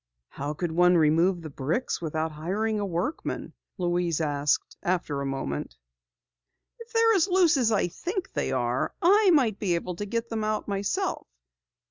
"How could one remove the bricks without hiring a workman?" Louise asked after a moment. "If they are as loose as I think they are, I might be able to get them out myself.